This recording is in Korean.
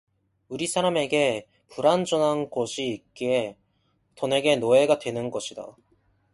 우리 사람에게 불완전한 곳이 있기에 돈에게 노예가 되는 것이다.